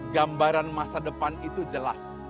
gambaran masa depan itu jelas